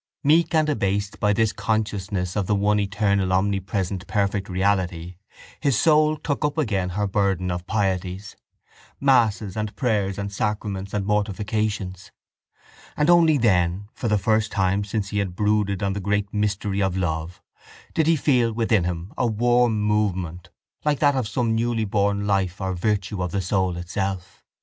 Meek and abased by this consciousness of the one eternal omnipresent perfect reality his soul took up again her burden of pieties, masses and prayers and sacraments and mortifications, and only then for the first time since he had brooded on the great mystery of love did he feel within him a warm movement like that of some newly born life or virtue of the soul itself.